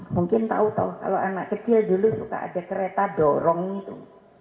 mungkin tau tau kalau anak kecil dulu suka ada kereta dorong itu